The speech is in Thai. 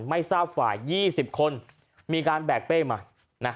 ไม่ทราบฝ่าย๒๐คนมีการแบกเป้มานะ